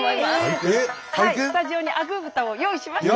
スタジオにアグー豚を用意しました。